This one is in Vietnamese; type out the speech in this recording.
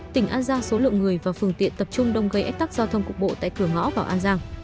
tỉnh an giang số lượng người và phương tiện tập trung đông gây ách tắc giao thông cục bộ tại cửa ngõ vào an giang